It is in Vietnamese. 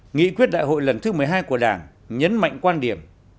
nghị quyết đại hội lần thứ một mươi hai của đảng nhấn mạnh quan điểm